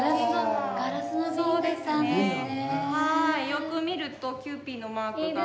よく見るとキユーピーのマークが。